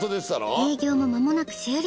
営業もまもなく終了。